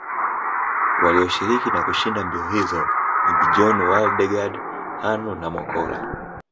Walioshiriki na kushinda mbio hizi ni Bjorn Waldegard Hannu na Mokkola